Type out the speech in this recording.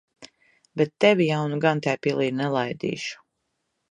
Bet tevi jau nu gan tai pilī nelaidīšu.